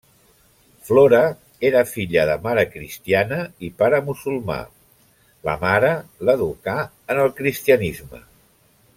Flora era filla de mare cristiana i pare musulmà; la mare l'educà en el cristianisme.